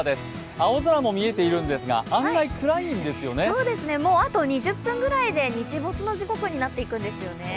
青空も見えているんですがあと２０分ぐらいで日没の時刻になっているんですよね。